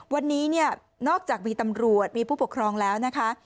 วันนี้เนี่ยนอกจากมีตำรวจมีผู้ปกครองแล้วนะคะ